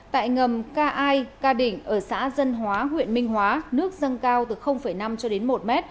tại ngầm ca ai ca đỉnh ở xã dân hóa huyện minh hóa nước dâng cao từ năm cho đến một m